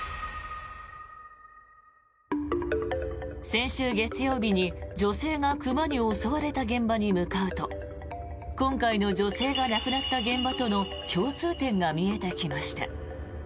先週月曜日に女性が熊に襲われた現場に向かうと今回の女性が亡くなった現場との共通点が見えてきました。